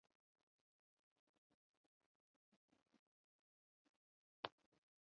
ضرب عضب سے پہلے ہم نے بہت دیر یہاں پڑاؤ کیا ہے۔